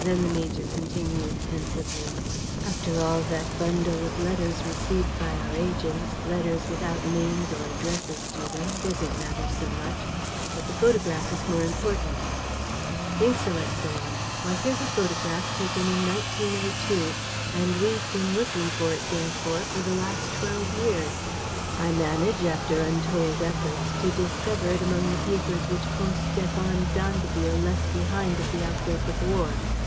Then the major continued, pensively: "After all, that bundle of letters received by our agents, letters without names or addresses to them, doesn't matter so much. But the photograph is more important." "I should think so, Excellenz! Why, here's a photograph taken in 1902; and we've been looking for it, therefore, for the last twelve years. I manage, after untold efforts, to discover it among the papers which Comte Stéphane d'Andeville left behind at the outbreak of war.